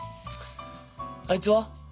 あいつは？